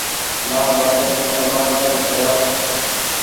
مآن ٻآپي ني ڪمآن تم کورآئو۔